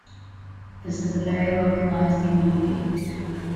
This is a very localised community.